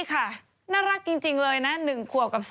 เข็ดไหมล่ะเราน่ะไหนตอบมาสิ